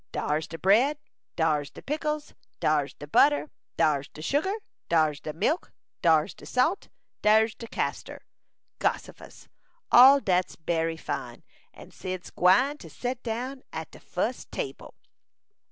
Dar's de bread, dar's de pickles, dar's de butter, dar's de sugar, dar's de milk, dar's de salt, dar's de castor. Gossifus! All dat's bery fine, and Cyd's gwine to set down at de fus table."